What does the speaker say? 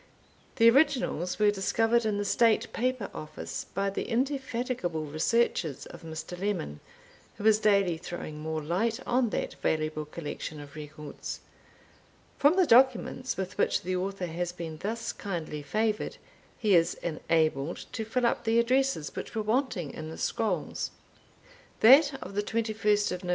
The originals were discovered in the State Paper Office, by the indefatigable researches of Mr. Lemon, who is daily throwing more light on that valuable collection of records. From the documents with which the Author has been thus kindly favoured, he is enabled to fill up the addresses which were wanting in the scrolls. That of the 21st Nov.